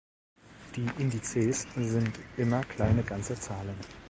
Die Indizes sind immer kleine ganze Zahlen.